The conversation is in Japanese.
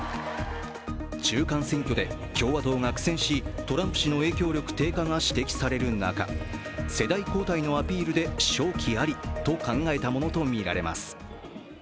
中間選挙で共和党が苦戦し、トランプ氏の影響力低下が指摘される中世代交代のアピールで勝機ありと考えたものとみられます。